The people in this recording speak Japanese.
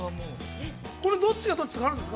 これどっちがどっちとかあるんですか。